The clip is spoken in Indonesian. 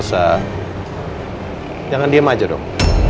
elsa jangan diam aja dong